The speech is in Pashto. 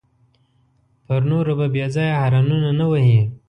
پر نورو به بېځایه هارنونه نه وهې.